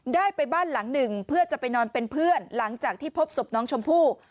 ได้ไปบ้านหลังหนึ่งเพื่อจะไปนอนเป็นเพื่อนหลังจากที่พบศพน้องชมพู่